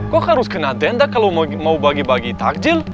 kok harus kena tenda kalau mau bagi bagi takjil